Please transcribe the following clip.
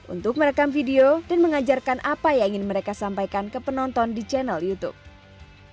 untuk merekam video dan mengajarkan apa yang ingin mereka sampaikan ke penonton di channel youtube